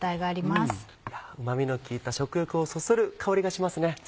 いやうま味の効いた食欲をそそる香りがしますね。